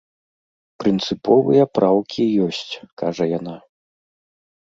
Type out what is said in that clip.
Прынцыповыя праўкі ёсць, кажа яна.